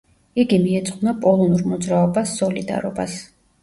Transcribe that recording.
იგი მიეძღვნა პოლონურ მოძრაობა „სოლიდარობას“.